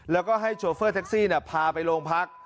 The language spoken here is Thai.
แล้วก็ให้โชเฟอร์แท็กซี่พาไปโรงพัก